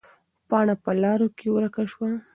پاڼه په لارو کې ورکه شوه.